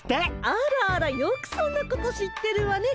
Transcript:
あらあらよくそんなこと知ってるわねえっミノル？